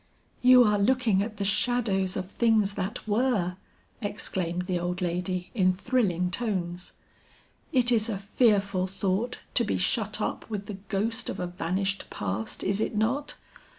"You are looking at the shadows of things that were," exclaimed the old lady in thrilling tones. "It is a fearful thought to be shut up with the ghost of a vanished past, is it not?